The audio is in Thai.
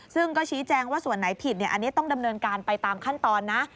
ซึ่งก็ชี้แจงว่าส่วนไหนผิดอันนี้ต้องดำเนินการไปตามขั้นตอนนะ